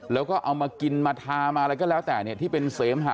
แล้วก็เอามากินมาทามาแล้วก็แล้วแต่ที่เป็นเซฟฮะ